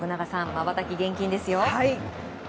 まばたき厳禁ですよ。